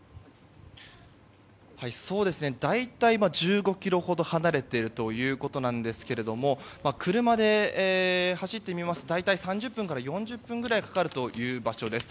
大体、１５ｋｍほど離れているということですが車で走ってみますと３０分から４０分かかるという場所です。